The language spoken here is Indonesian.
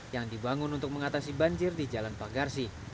yang dibangun untuk mengatasi banjir di jalan pagarsi